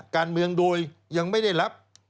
การเมืองโดยยังไม่ได้รับ